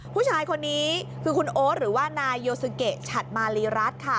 ผู้ชายคนนี้คือคุณโอ๊ตหรือว่านายโยซูเกะฉัดมาลีรัฐค่ะ